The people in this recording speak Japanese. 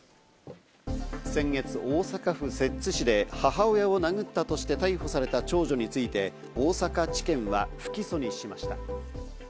先月、大阪府摂津市で母親を殴ったとして逮捕された長女について、大阪地検は不起訴にしました。